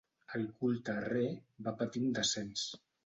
El culte a Re va patir un descens.